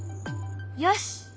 よし！